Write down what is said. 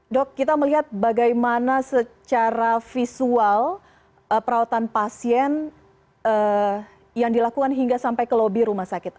dok kita melihat bagaimana secara visual perawatan pasien yang dilakukan hingga sampai ke lobi rumah sakit